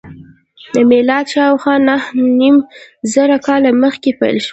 له میلاده شاوخوا نهه نیم زره کاله مخکې پیل شول.